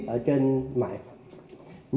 ở trên mạng